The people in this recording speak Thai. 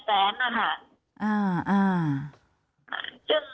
บ้านน้องแย่นจน